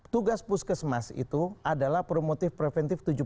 tugas puskesmas itu adalah promotif preventif tujuh tahun